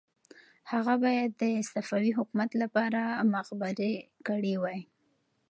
هغه باید د صفوي حکومت لپاره مخبري کړې وای.